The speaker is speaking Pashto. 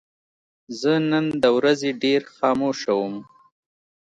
زه نن د ورځې ډېر خاموشه وم.